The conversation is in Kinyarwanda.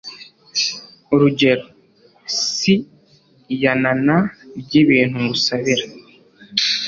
urugero ) si iyanana ry'ibintu ngusabira